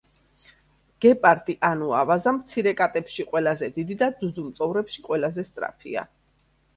გეპარდი ანუ ავაზა მცირე კატებში ყველაზე დიდი და ძუძუმწოვრებში ყველაზე სწრაფია.